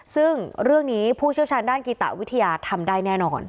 ซึ่งเรื่องนี้ผู้เชี่ยวชาญด้านกีตะวิทยาทำได้แน่นอน